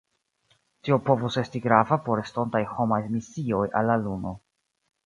Tio povus esti grava por estontaj homaj misioj al la luno.